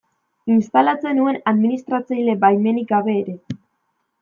Instalatzen nuen administratzaile baimenik gabe ere.